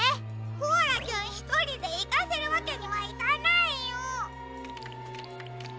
コアラちゃんひとりでいかせるわけにはいかないよ！